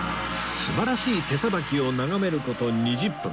素晴らしい手さばきを眺める事２０分